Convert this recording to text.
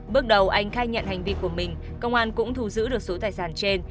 bước đầu anh khai nhận hành vi của mình công an cũng thu giữ được số tài sản trên